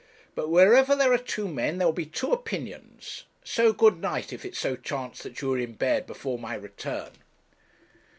But wherever there are two men, there will be two opinions. So good night, if it so chance that you are in bed before my return.'